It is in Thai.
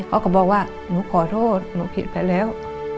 เขาก็บอกว่าหนูขอโทษหนูผิดไปแล้ว